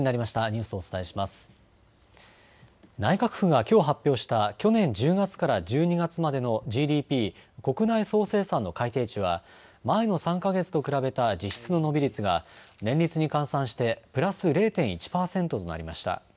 内閣府がきょう発表した去年１０月から１２月までのＧＤＰ・国内総生産の改定値は前の３か月と比べた実質の伸び率が年率に換算してプラス０．１％となりました。